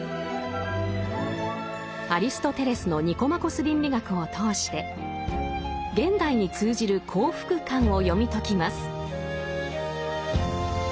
アリストテレスの「ニコマコス倫理学」を通して現代に通じる幸福観を読み解きます。